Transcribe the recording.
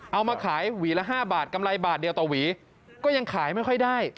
เอามาขายหวีละ๕บาทกำไรบาทเดียวต่อหวีก็ยังขายไม่ค่อยได้